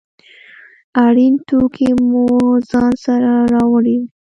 اړین توکي مو ځان سره راوړي وي.